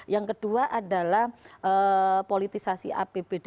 yang kedua adalah politisasi apbd